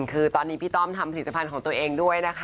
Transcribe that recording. คือตอนนี้พี่ต้อมทำผลิตภัณฑ์ของตัวเองด้วยนะคะ